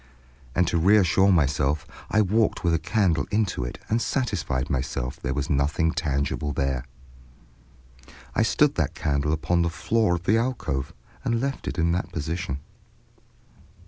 And to reassure myself, I walked with a candle into it and satisfied myself that there was nothing tangible there. I stood that candle upon the floor of the alcove and left it in that position.